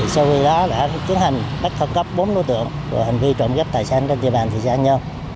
sau khi đó đã tiến hành bắt khẩn cấp bốn đối tượng và hành vi trộm gấp tài sản trên địa bàn thị xã nhân